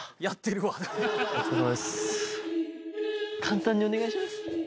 「簡単でお願いします」